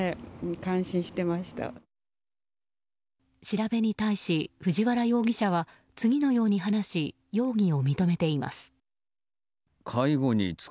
調べに対し藤原容疑者は次のように話し容疑を認めています。